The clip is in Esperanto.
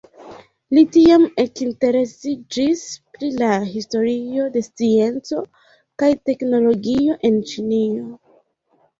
Li tiam ekinteresiĝis pri la historio de scienco kaj teknologio en Ĉinio.